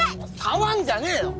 触んじゃねえよ！